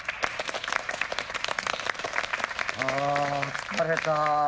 あ疲れた。